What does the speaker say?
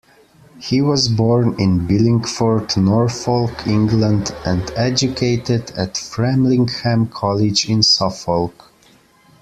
He was born in Billingford, Norfolk, England and educated at Framlingham College in Suffolk.